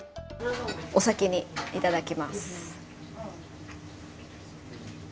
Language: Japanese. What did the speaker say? お先に、いただきます。